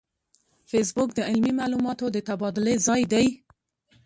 فېسبوک د علمي معلوماتو د تبادلې ځای دی